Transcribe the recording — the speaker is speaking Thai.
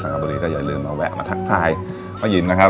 ตอนนี้ก็อย่าลืมมาแวะมาทักทายพระหญิงนะครับ